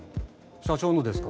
社長のですか？